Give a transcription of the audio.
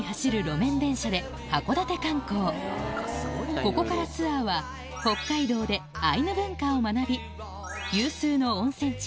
このここからツアーは北海道でアイヌ文化を学び有数の温泉地